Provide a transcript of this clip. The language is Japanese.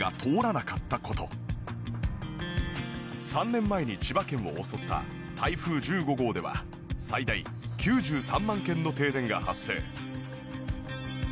３年前に千葉県を襲った台風１５号では最大９３万軒の停電が発生。